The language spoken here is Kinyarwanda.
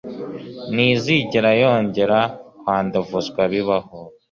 ntizigere yongera kwandavuzwa bibaho